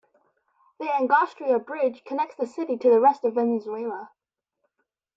The Angostura Bridge connects the city to the rest of Venezuela.